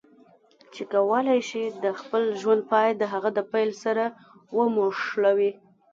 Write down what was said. چې کولای شي د خپل ژوند پای د هغه د پیل سره وموښلوي.